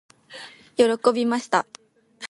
喜びました。